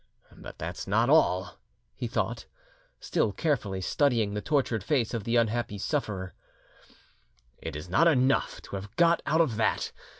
"But that's not all," he thought, still carefully studying the tortured face of the unhappy sufferer; "it is not enough to have got out of that.